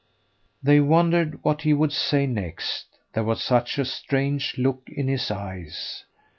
They wondered what he would say next, there was such a strange look in his eyes.